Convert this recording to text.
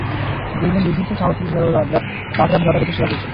দুইজন দুর্ধর্ষ, সাহসী বাতরা ভ্রাতা দেশের সেবা করছে।